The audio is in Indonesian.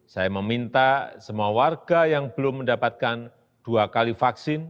saya meminta semua warga yang belum mendapatkan dua kali vaksin